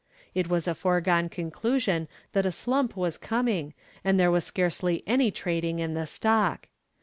It was a foregone conclusion that a slump was coming, and there was scarcely any trading in the stock.